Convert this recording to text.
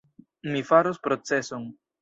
Mi faros proceson!